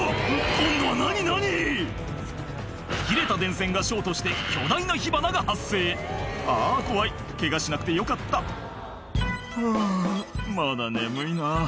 今度は何何⁉切れた電線がショートして巨大な火花が発生あぁ怖いケガしなくてよかった「ふわまだ眠いな」